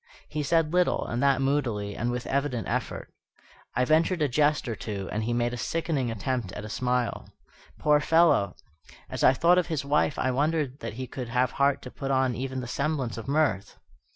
He said little, and that moodily, and with evident effort. I ventured a jest or two, and he made a sickening attempt at a smile. Poor fellow! as I thought of his wife I wondered that he could have heart to put on even the semblance of mirth.